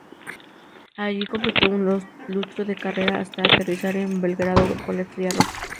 Allí completó un lustro de carrera hasta aterrizar en Belgrado con el Estrella Roja.